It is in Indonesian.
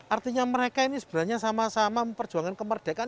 artinya mereka ini sebenarnya sama sama memperjuangkan kemerdekaan